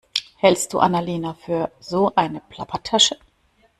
Hältst du Anna-Lena für so eine Plappertasche?